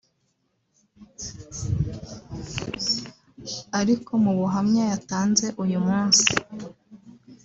ariko mu buhamya yatanze uyu munsi